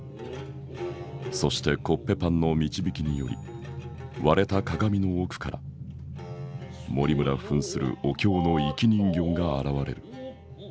そしてコッペパンの導きにより割れた鏡の奥から森村ふんするお京の生き人形が現れる。